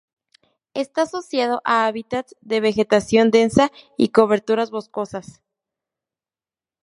Está asociado a hábitats de vegetación densa y coberturas boscosas.